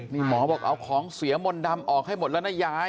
นี่หมอบอกเอาของเสียมนต์ดำออกให้หมดแล้วนะยาย